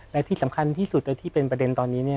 และที่สำคัญที่สุดที่เป็นประเด็นตอนนี้